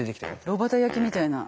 炉端焼きみたいな。